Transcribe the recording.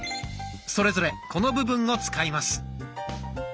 それぞれこの部分を使います。